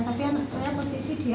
tapi anak saya posisi dia